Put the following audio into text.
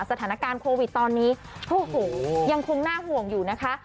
สถานการณ์โควิดตอนนี้โอ้โหยังคงน่าห่วงอยู่นะคะ